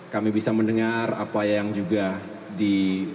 kami bisa mendengar apa yang juga di